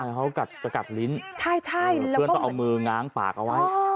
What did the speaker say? เขากลับลิ้นใช่เพื่อนเขาเอามือง้างปากเอาไว้